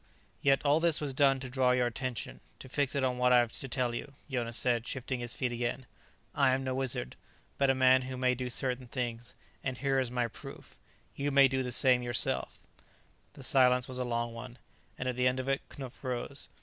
"Yet all this was done to draw your attention, to fix it on what I have to tell you," Jonas said, shifting his feet again. "I am no wizard, but a man who may do certain things. And here is my proof: you may do the same yourself." The silence was a long one, and at the end of it Knupf rose.